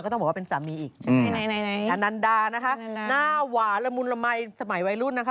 ต้องบอกว่าเป็นสามีอีกใช่ไหมอนันดานะคะหน้าหวานละมุนละมัยสมัยวัยรุ่นนะคะ